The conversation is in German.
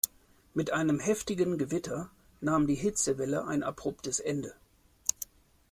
Mit einem heftigen Gewitter nahm die Hitzewelle ein abruptes Ende.